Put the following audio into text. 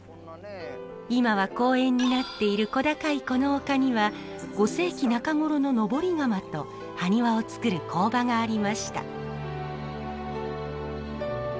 今は公園になっている小高いこの丘には５世紀中頃の登り窯とハニワを作る工場がありました。